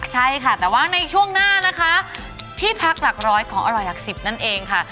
ใช่ค่ะแต่ว่าในช่วงหน้านะคะที่พักหลักร้อยของอร่อยหลักสิบนั่นเองค่ะ